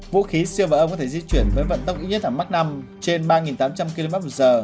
vũ khí siêu vật âm có thể di chuyển với vận tốc ít nhất ở mach năm trên ba tám trăm linh kmh